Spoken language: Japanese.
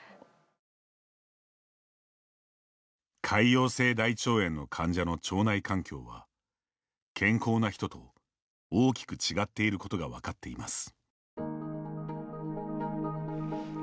潰瘍性大腸炎の患者の腸内環境は、健康な人と大きく違っていることが分かっています。